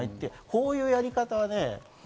こういうやり方はね